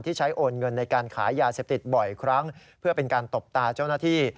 ใช้โอนเงินในการขายยาเสพติดบ่อยครั้งเพื่อเป็นการตบตาเจ้าหน้าที่